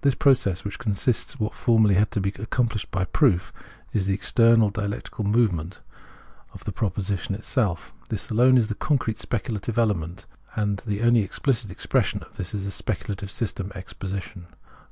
This process, which constitutes what formerly had to be accomphshed by proof, is the internal dialectical movement of the 64 Phenomenology of Mind proposition itself. This alone is the concrete specula tive element, and only the exphcit expression of this is a speculative systematic exposition.